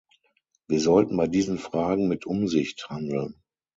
Wir sollten bei diesen Fragen mit Umsicht handeln.